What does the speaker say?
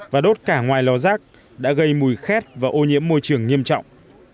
và đốt cả ngoài lò rác đã gây mùi khét và ô nhiễm môi trường nghiêm trọng